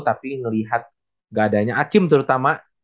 tapi ngeliat ga adanya acim terutama